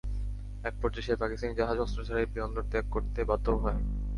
একপর্যায়ে সেই পাকিস্তানি জাহাজ অস্ত্র ছাড়াই বন্দর ত্যাগ করতে বাধ্য হয়।